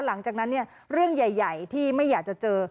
หลังจากนั้นเรื่องใหญ่ที่ไม่อยากจะเจอ